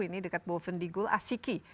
ini dekat bovendigul asiki